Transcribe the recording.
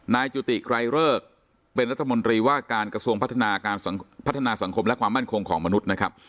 นายจุติกรายเริกเป็นรัฐมนตรีว่ากลางกระทรวงพัฒนาสังคมและความมั่นคงของมนุษย์